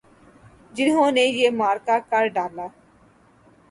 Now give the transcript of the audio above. جنہوں نے یہ معرکہ کر ڈالا۔